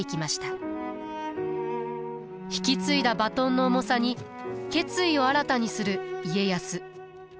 引き継いだバトンの重さに決意を新たにする家康。